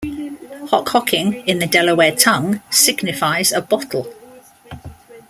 "Hockhocking", in the Delaware tongue, signifies a bottle.